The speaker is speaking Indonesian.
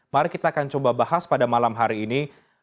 mari kita akan coba bahas pada malam hari ini